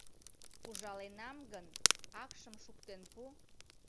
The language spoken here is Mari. Ужаленам гын, акшым шуктен пу.